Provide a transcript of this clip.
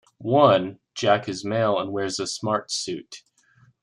One, Jack, is male and wears a smart suit.